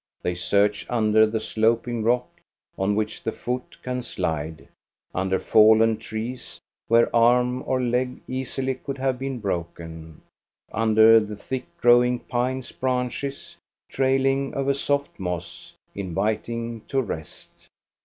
They search under the sloping rock, on which the foot can slide, under fallen trecB, where 406 THE STORY OF GOSTA BE RUNG arm or leg easily could have been broken, under the thick growing pines' branches, trailing over soft moss, inviting to rest.